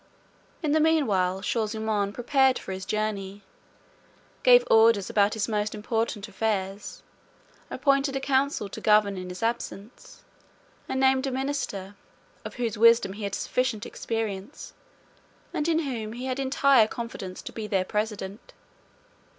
In the meanwhile, Shaw zummaun prepared for his journey, gave orders about his most important affairs, appointed a council to govern in his absence, and named a minister, of whose wisdom he had sufficient experience, and in whom he had entire confidence, to be their president.